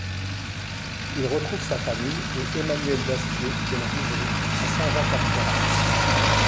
Il retrouve sa famille et Emmanuel d'Astier de la Vigerie à Saint-Jean-Cap-Ferrat.